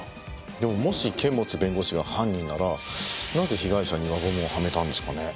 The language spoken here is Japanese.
でももし堅物弁護士が犯人ならなぜ被害者に輪ゴムをはめたんですかね？